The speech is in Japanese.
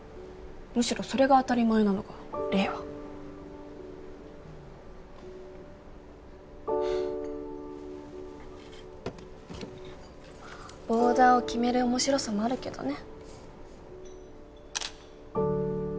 むしろそれが当たり前なのが令和まあボーダーを決める面白さもあるけどね